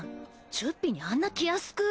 チュッピにあんな気安く。